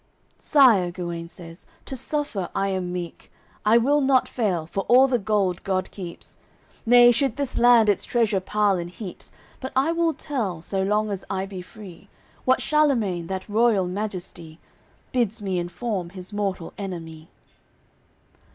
"Sire," Guenes says, "to suffer I am meek. I will not fail, for all the gold God keeps, Nay, should this land its treasure pile in heaps, But I will tell, so long as I be free, What Charlemagne, that Royal Majesty, Bids me inform his mortal enemy."